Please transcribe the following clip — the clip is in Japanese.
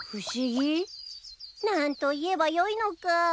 何と言えばよいのか。